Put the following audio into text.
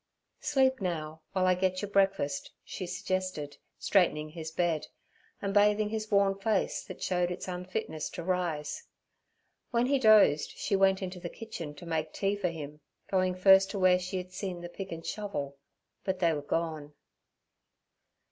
'Sleep now, while I get your breakfast' she suggested, straightening his bed, and bathing his worn face that showed his unfitness to rise. When he dozed she went into the kitchen to make tea for him, going first to where she had seen the pick and shovel—but they were gone.